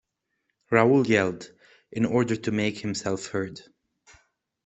Raoul yelled, in order to make himself heard.